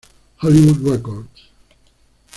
Hollywood Records.